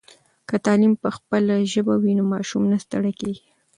که تعلیم په خپله ژبه وي نو ماشوم نه ستړی کېږي.